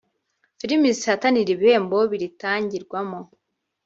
film zihatanira ibihembo biritangirwamo